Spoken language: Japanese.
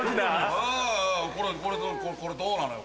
これどうなのよ？